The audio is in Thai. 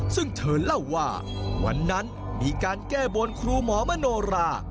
ซึ่งเธอเล่าว่าวันนั้นมีการแก้บนครูหมอมโนรา